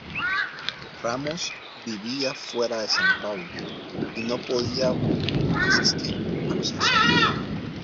Ramos vivía fuera de Sao Paulo y no podía asistir a los ensayos.